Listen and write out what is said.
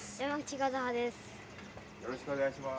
よろしくお願いします。